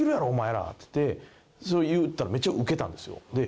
それ言ったらめっちゃウケたんですよ。